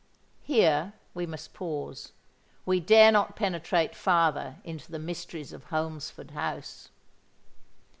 Here we must pause: we dare not penetrate farther into the mysteries of Holmesford House.